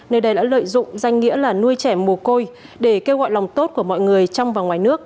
nơi đây đã lợi dụng danh nghĩa là nuôi trẻ mồ côi để kêu gọi lòng tốt của mọi người trong và ngoài nước